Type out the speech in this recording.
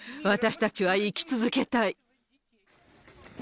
私たちは生き続けたい。